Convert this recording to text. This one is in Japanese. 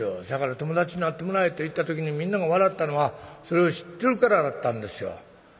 だから『友達になってもらえ』って言った時にみんなが笑ったのはそれを知ってるからだったんですよ。